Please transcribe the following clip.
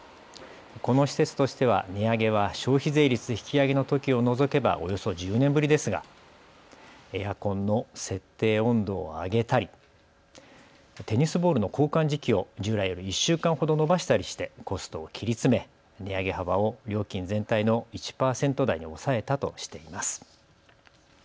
この施設としては値上げは消費税率引き上げのときを除けばおよそ１０年ぶりですがエアコンの設定温度を上げたりテニスボールの交換時期を従来より１週間ほど延ばしたりしてコストを切り詰め値上げ幅を料金全体の１％台に抑えたとしています。